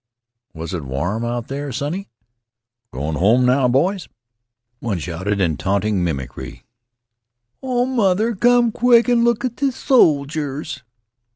"Was it warm out there, sonny?" "Goin' home now, boys?" One shouted in taunting mimicry: "Oh, mother, come quick an' look at th' sojers!"